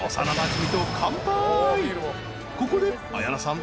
［ここで綾菜さん